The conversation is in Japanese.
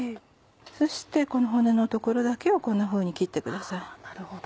そしてこの骨の所だけをこんなふうに切ってください。